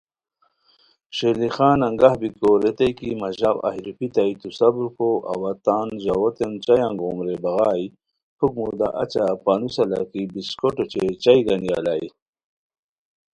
ݰیلی خان انگاہ بیکو ریتائے کی مہ ژاؤ ایہہ روپھیتائے تو صبر کو اوا تان ژاؤتین چائے انگوم رے بغائے ,پُھک مودا اچہ پانوسہ لکھی بسکوٹ اوچے چائے گنی الائے